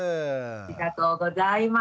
ありがとうございます。